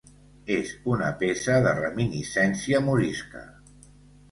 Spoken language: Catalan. És una peça de reminiscència morisca.